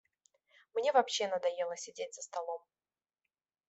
Мне вообще надоело сидеть за столом.